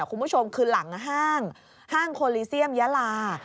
คุณผู้ชมคือหลังห้างห้างโคลิเซียมยาลา